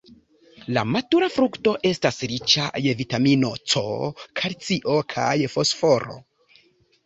La matura frukto estas riĉa je vitamino C, kalcio kaj fosforo.